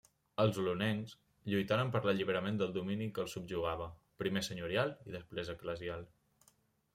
Els olonencs lluitaren per l'alliberament del domini que els subjugava, primer senyorial i després eclesial.